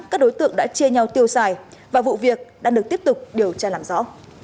các đối tượng đã chia nhau tiêu xài và vụ việc đang được tiếp tục điều tra làm rõ